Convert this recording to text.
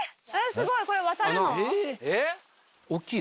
すごいこれ渡るの？